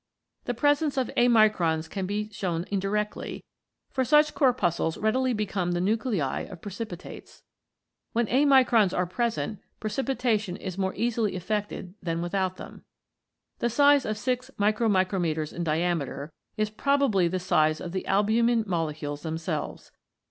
The presence of amicrons can be shown indirectly, for such corpuscules readily become the nuclei of pre cipitates. When amicrons are present, precipita tion is more easily effected than without them. The size of 6 /*/* in diameter is probably the size of the albumin molecules themselves.